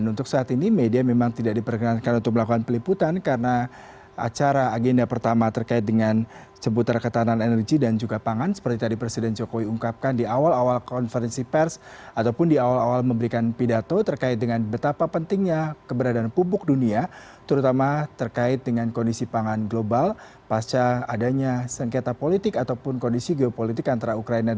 untuk meninggalkan ruangan